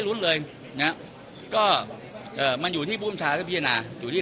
รุ้นเลยนะก็เอ่อมันอยู่ที่ภูมิชาก็พิจารณาอยู่ที่